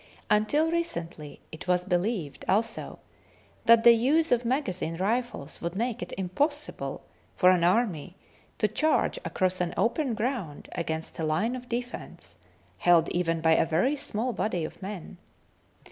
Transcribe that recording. Until recently it was believed also that the use of magazine rifles would make it impossible for an army to charge across an open ground against a line of defence held even by a very small body of men.